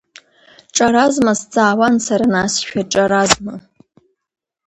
Ҿаразма, сҵаауан сара насшәа, ҿаразма?